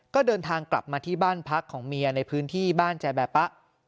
ก็เดินทางกลับมาที่บ้านพักของเมียในพื้นที่บ้านแจแบบปะ